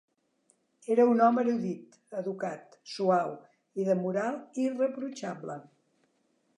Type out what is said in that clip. Era un home erudit, educat, suau i de moral irreprotxable.